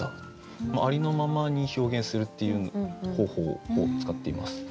ありのままに表現するっていう方法を使っています。